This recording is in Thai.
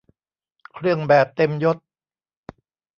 เครื่องแบบเต็มยศ